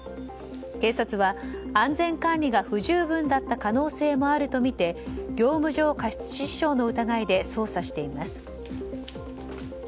警察は、安全管理が不十分だった可能性もあるとみて業務上過失致死傷の疑いで捜査しています。